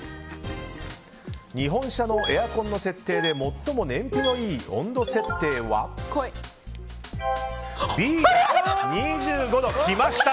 日本車のエアコンの設定で最も燃費がいい温度設定はＢ、２５度。来ました